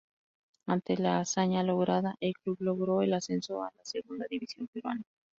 Ante la hazaña lograda, el club logró el ascenso a la Segunda División Peruana.